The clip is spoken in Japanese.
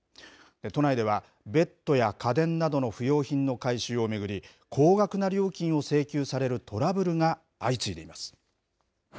都内ではベッドや家電などの不用品の回収を巡り高額な料金を請求されるトラブルが相次いでいます。